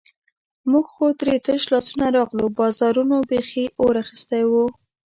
موږ خو ترې تش لاسونه راغلو، بازارونو بیخي اور اخیستی وو.